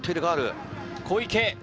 小池。